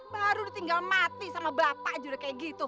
baru ditinggal mati sama bapak juri kayak gitu